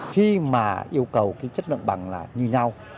khi mà yêu cầu cái chất lượng bằng là như nhau